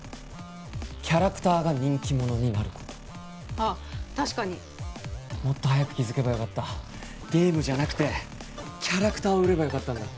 キャラクターが人気者になることあっ確かにもっと早く気づけばよかったゲームじゃなくてキャラクターを売ればよかったんだ